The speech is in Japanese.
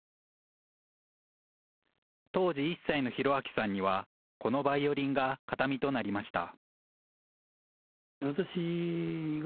当時１歳の弘明さんにはこのバイオリンが形見となりました。